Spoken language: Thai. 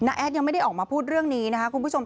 แอดยังไม่ได้ออกมาพูดเรื่องนี้นะครับคุณผู้ชม